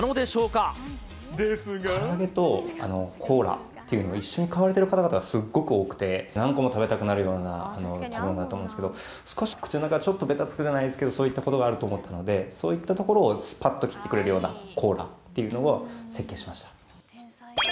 から揚げとコーラっていうのを、一緒に買われている方々がすごく多くて、何個も食べたくなるような食べ物だと思うんですけど、少し口の中がちょっとべたつくじゃないですけど、そういったことがあると思ったので、そういったところを、すぱっと切ってくれるようなコーラっていうのを設計しました。